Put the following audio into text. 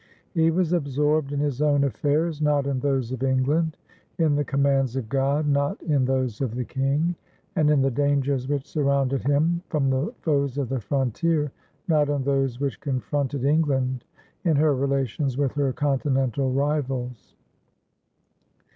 He was absorbed in his own affairs, not in those of England; in the commands of God, not in those of the King; and in the dangers which surrounded him from the foes of the frontier, not in those which confronted England in her relations with her continental rivals.